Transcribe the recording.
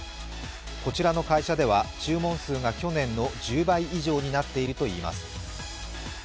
こちらの会社では、注文数が去年の１０倍以上になっているといいます。